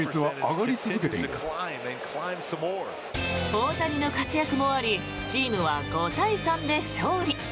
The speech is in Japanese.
大谷の活躍もありチームは５対３で勝利。